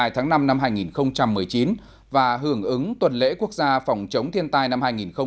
hai mươi hai tháng năm năm hai nghìn một mươi chín và hưởng ứng tuần lễ quốc gia phòng chống thiên tai năm hai nghìn một mươi chín